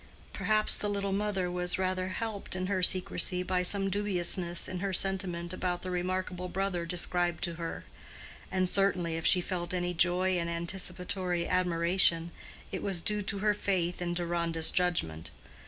Perhaps "the little mother" was rather helped in her secrecy by some dubiousness in her sentiment about the remarkable brother described to her; and certainly if she felt any joy and anticipatory admiration, it was due to her faith in Deronda's judgment.